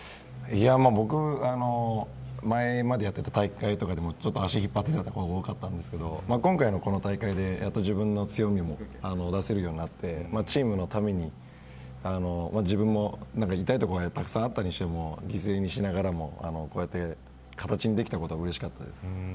僕は前までやっていた大会とかでも足を引っ張っていたことが多かったんですけど今大会で、やっと自分の強みも出せるようになってチームのために自分も痛いところがたくさんあったりしても犠牲にしながら形にできたことがうれしかったです。